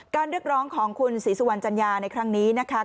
เรียกร้องของคุณศรีสุวรรณจัญญาในครั้งนี้นะคะ